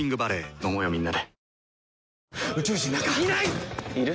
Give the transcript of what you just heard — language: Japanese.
飲もうよみんなで。